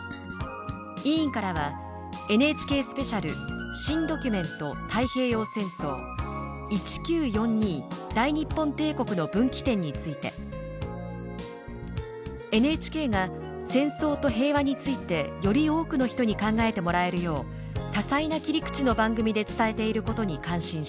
委員からは「ＮＨＫスペシャル」新・ドキュメント太平洋戦争「１９４２大日本帝国の分岐点」について「ＮＨＫが戦争と平和についてより多くの人に考えてもらえるよう多彩な切り口の番組で伝えていることに感心した」